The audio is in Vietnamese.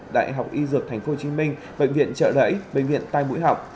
đại học y dược tp hcm bệnh viện trợ đẩy bệnh viện tai mũi học